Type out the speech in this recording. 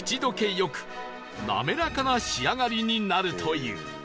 よく滑らかな仕上がりになるという